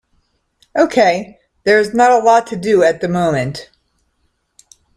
Okay, there is not a lot to do at the moment.